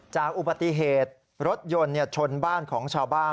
จากอุบัติเหตุรถยนต์ชนบ้านของชาวบ้าน